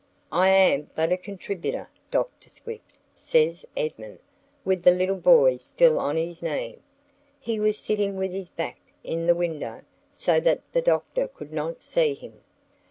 "I am but a contributor, Doctor Swift," says Esmond, with the little boy still on his knee. He was sitting with his back in the window, so that the Doctor could not see him.